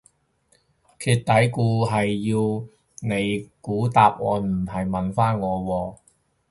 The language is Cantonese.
揭尾故係你要估答案唔係問返我喎